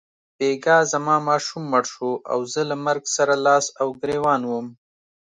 بیګا زما ماشوم مړ شو او زه له مرګ سره لاس او ګرېوان وم.